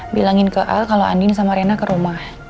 bilangin ke al kalau andin sama rena ke rumah